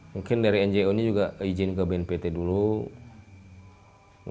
mungkin dari ngo ini juga izin ke bnpt dulu